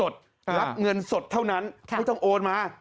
รับเงินสดเท่านั้นไม่ต้องโอนมา